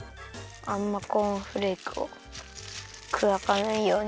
あんまコーンフレークをくだかないように。